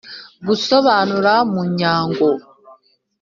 gusobanura munyango